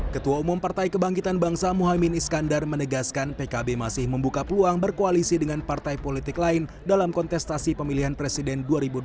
ketua umum partai kebangkitan bangsa muhaymin iskandar menegaskan pkb masih membuka peluang berkoalisi dengan partai politik lain dalam kontestasi pemilihan presiden dua ribu dua puluh